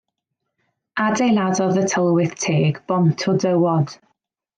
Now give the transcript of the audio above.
Adeiladodd y tylwyth teg bont o dywod.